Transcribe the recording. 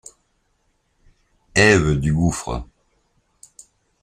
Ève du gouffre.